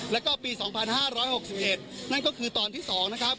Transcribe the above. แล้วก็ปีสองพันห้าร้อยหกสิบเอ็ดนั่นก็คือตอนที่สองนะครับ